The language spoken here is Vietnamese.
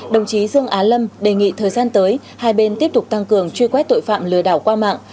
đồng chí dương á lâm đề nghị thời gian tới hai bên tiếp tục tăng cường truy quét tội phạm lừa đảo qua mạng